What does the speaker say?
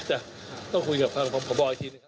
พอบอตอรออีกทีไหมครับ